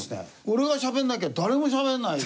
俺がしゃべんなきゃ誰もしゃべんない。